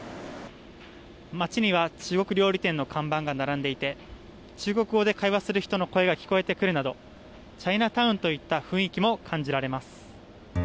街には中国料理店の看板が並んでいて中国語で会話する人の声が聞こえてくるなどチャイナタウンといった雰囲気も感じられます。